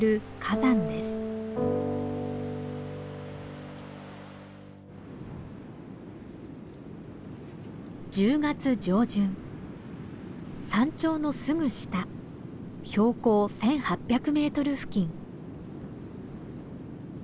山頂のすぐ下標高１，８００メートル付近。